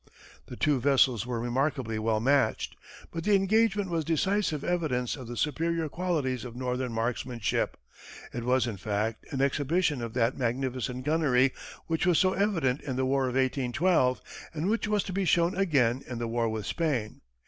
The two vessels were remarkably well matched, but the engagement was decisive evidence of the superior qualities of northern marksmanship. It was, in fact, an exhibition of that magnificent gunnery which was so evident in the war of 1812, and which was to be shown again in the war with Spain.